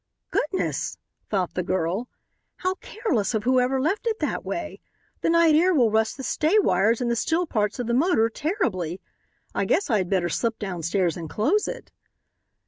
"Goodness!" thought the girl, "how careless of whoever left it that way. The night air will rust the stay wires and the steel parts of the motor terribly. I guess I had better slip downstairs and close it."